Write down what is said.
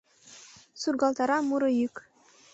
Сургалтара муро йӱк.